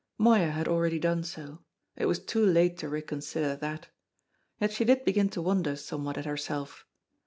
Moya had already done so. It was too late to reconsider that. Yet she did begin to wonder somewhat at herself.